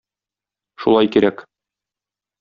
Шулай кирәк.